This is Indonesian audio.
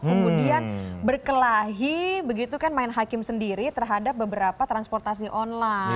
kemudian berkelahi begitu kan main hakim sendiri terhadap beberapa transportasi online